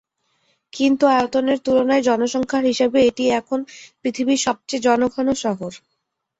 কিন্তু আয়তনের তুলনায় জনসংখ্যার হিসাবে এটিই এখন পৃথিবীর সবচেয়ে জনঘন শহর।